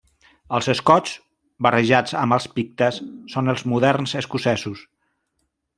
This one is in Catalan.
Els escots, barrejats amb els pictes, són els moderns escocesos.